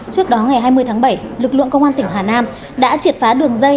trước đó ngày hai mươi tháng bảy lực lượng công an tỉnh hà nam đã triệt phá đường dây